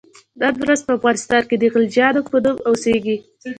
نن ورځ په افغانستان کې د غلجیانو په نوم اوسیږي.